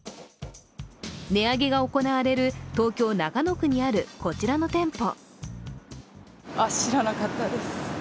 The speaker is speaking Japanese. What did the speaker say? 値上げが行われる東京・中野区にあるこちらの店舗。